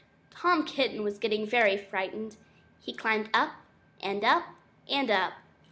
Tom Kitten was getting very frightened! He climbed up, and up, and up.